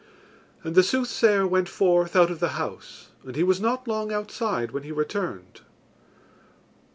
And the soothsayer went forth out of the house and he was not long outside when he returned.